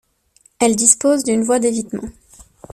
Elle dispose d'une voie d'évitement.